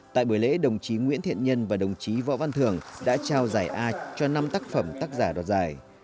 tại buổi lễ đồng chí nguyễn thiện nhân và đồng chí võ văn thường đã trao giải a cho năm tác phẩm tác giả đoạt giải